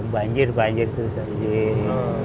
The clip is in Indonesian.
banjir banjir terus terusan